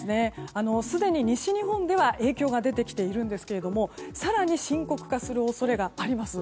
すでに西日本では影響が出てきているんですが更に深刻化する恐れがあります。